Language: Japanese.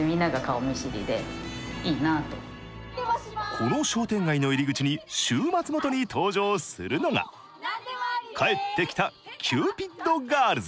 この商店街の入り口に週末ごとに登場するのが帰ってきたキューピッドガールズ。